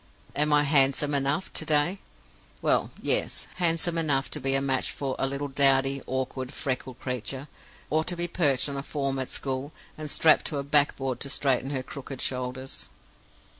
Am I handsome enough, to day? Well, yes; handsome enough to be a match for a little dowdy, awkward, freckled creature, who ought to be perched on a form at school, and strapped to a backboard to straighten her crooked shoulders.